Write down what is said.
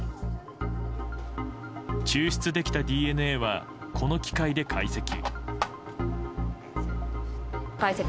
抽出できたＤＮＡはこの機械で解析。